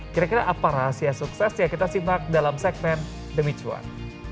kira kira apa rahasia suksesnya kita simak dalam segmen demi cuan